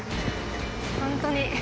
本当に。